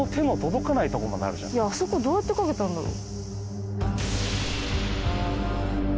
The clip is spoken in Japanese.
あそこどうやってかけたんだろう。